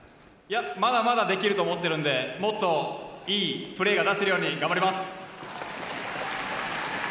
まだまだできると思っているのでもっと、いいプレーが出せるよう頑張ります。